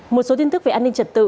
một số tin tức về an ninh trật tự